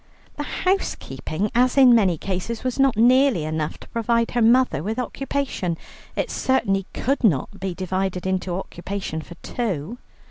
The housekeeping, as in many cases, was not nearly enough to provide her mother with occupation. It certainly could not be divided into occupation for two.